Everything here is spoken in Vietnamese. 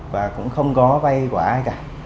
và cũng không có vay của ai cả